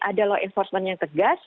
ada law enforcement yang tegas